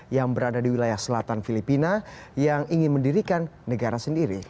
yang berada di wilayah selatan filipina yang ingin mendirikan negara sendiri